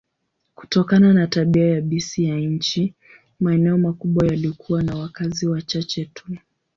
Kutokana na tabia yabisi ya nchi, maeneo makubwa yalikuwa na wakazi wachache tu.